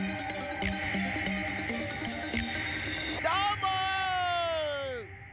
どーも！